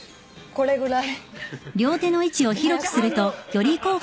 これぐらい。